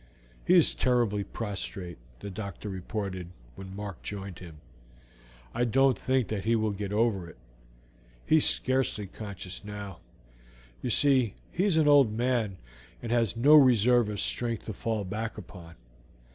"He is terribly prostrate," the doctor reported when Mark joined him. "I don't think that he will get over it. He is scarcely conscious now. You see, he is an old man, and has no reserve of strength to fall back upon.